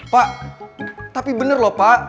pak tapi bener loh pak